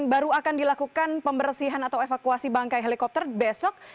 baru akan dilakukan pembersihan atau evakuasi bangkai helikopter besok